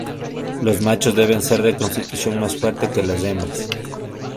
Los machos deben ser de constitución más fuerte que las hembras.